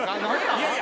いやいや！